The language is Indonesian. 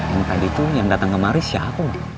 yang tadi tuh yang datang kemarin siapa bang